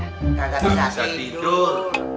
gak bisa tidur